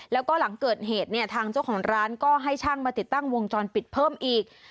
แล้วก็หลังเกิดเหตุเนี่ยทางเจ้าของร้านก็ให้ช่างมาติดตั้งวงจรปิดเพิ่มอีก